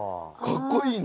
かっこいい！